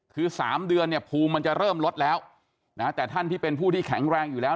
คือ๓เดือนเนี่ยภูมิมันจะเริ่มลดแล้วนะแต่ท่านที่เป็นผู้ที่แข็งแรงอยู่แล้ว